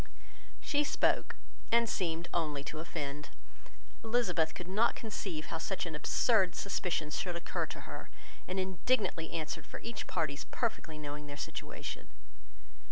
She spoke, and seemed only to offend. Elizabeth could not conceive how such an absurd suspicion should occur to her, and indignantly answered for each party's perfectly knowing their situation.